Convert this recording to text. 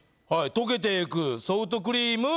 「溶けてゆくソフトクリーム